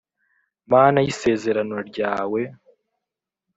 mana y'isezerano ryawe